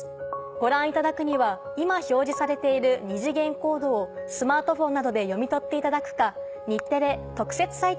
ご覧いただくには今表示されている二次元コードをスマートフォンなどで読み取っていただくか。